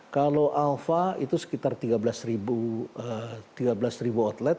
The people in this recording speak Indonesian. kalau alpha itu sekitar tiga belas outlet